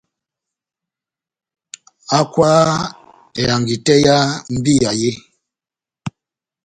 Hákwaha ehangi tɛ́h yá mbíya yé !